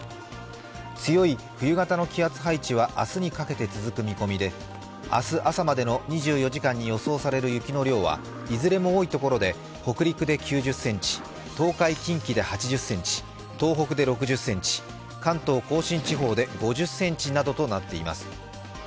強い冬型の気圧配置は明日にかけて続く見込みで明日朝までの２４時間に予想される雪の量は、いずれも多い所で北陸で９０ｃｍ、東海・近畿で８０ｃｍ、東北で６０ｃｍ、関東甲信地方で５０ｃｍとなっています。